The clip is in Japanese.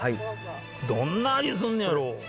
どんな味すんねやろ？